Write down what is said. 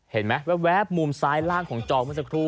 เห็นไหมแว๊บมุมซ้ายล่างของจองเมื่อสักครู่